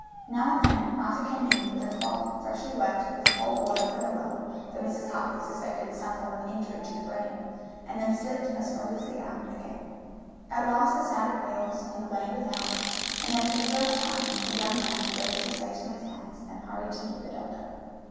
Now and then Martha came in with a cloth freshly wet with cold water from the well for Mrs. Hartley suspected some form of injury to the brain and then slipped as noiselessly out again. At last the sound of wheels in the lane without, and then for the first time the young man raised his face from his hands and hurried to meet the doctor.